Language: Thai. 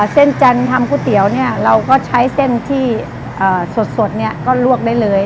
เส้นจันทร์ทำก๋วยเตี๋ยวเนี่ยเราก็ใช้เส้นที่สดเนี่ยก็ลวกได้เลย